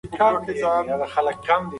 روغتیا ساتل د کورنۍ د پلار دنده ده.